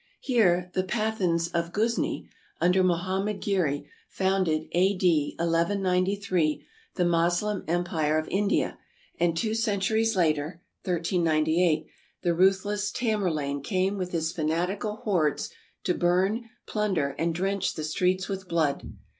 Here the Pathans of Ghuzni, under Mohammed Ghery, founded (a. d. i 193) the Moslem empire of India, and two centuries later (1398) the ruthless Tamerlane came with his fanatical hordes to burn, plunder, and drench the streets with blood.